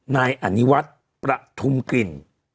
นายอนิวัฒน์ประทุมกลิ่น